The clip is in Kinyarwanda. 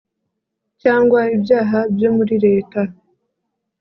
cyangwa ibyaha byo muri leta.